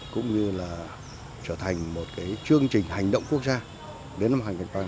cũng như là trở thành một chương trình hành động quốc gia đến năm hai nghìn ba mươi